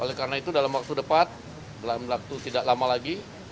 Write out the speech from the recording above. oleh karena itu dalam waktu dekat dalam waktu tidak lama lagi